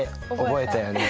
覚えたよね。